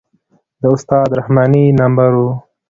د استاد رحماني نمبر و.